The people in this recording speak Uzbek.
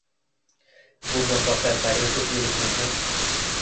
Bu muvaffaqiyat tagida ko‘p yillik mehnat: